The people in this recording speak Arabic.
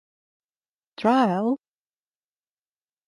يا طاهريين لا طهور لكم